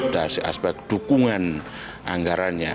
dari aspek dukungan anggarannya